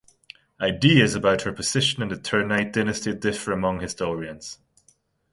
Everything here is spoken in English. Ideas about her position in the Ternate dynasty differ among historians.